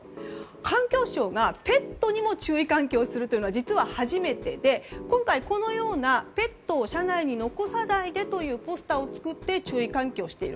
環境省がペットにも注意喚起をするというのは実は初めてで、今回ペットを車内に残さないでというポスターを作って注意喚起をしている。